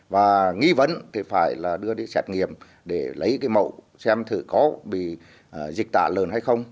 và nghi vấn thì phải đưa đi xét nghiệm để lấy mẫu xem có bị dịch tả lợn hay không